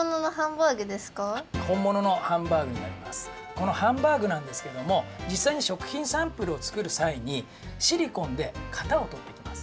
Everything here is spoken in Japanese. このハンバーグなんですけどもじっさいに食品サンプルをつくるさいにシリコンでかたをとっていきます。